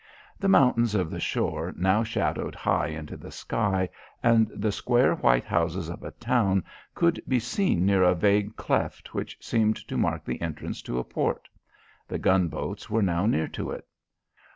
The mountains of the shore now shadowed high into the sky and the square white houses of a town could be seen near a vague cleft which seemed to mark the entrance to a port. The gunboats were now near to it.